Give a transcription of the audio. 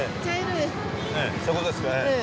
そこですかええ。